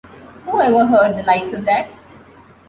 Who ever heard the likes of that?